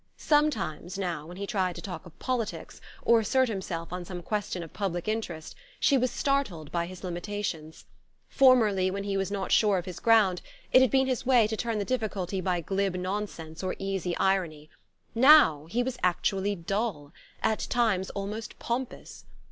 Sometimes, now, when he tried to talk of politics, or assert himself on some question of public interest, she was startled by his limitations. Formerly, when he was not sure of his ground, it had been his way to turn the difficulty by glib nonsense or easy irony; now he was actually dull, at times almost pompous.